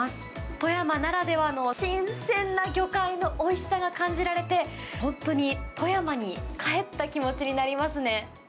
富山ならではの新鮮な魚介のおいしさが感じられて、本当に富山に帰った気持ちになりますね。